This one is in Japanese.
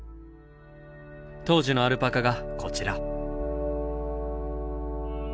当時のアルパカがこちら。